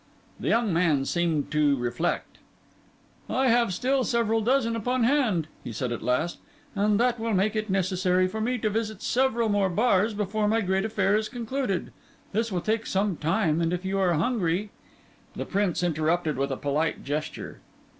The young man seemed to reflect. "I have still several dozen upon hand," he said at last; "and that will make it necessary for me to visit several more bars before my great affair is concluded. This will take some time; and if you are hungry—" The Prince interrupted him with a polite gesture.